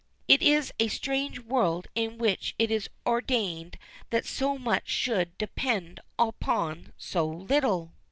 It is a strange world in which it is ordained that so much should depend upon so little!"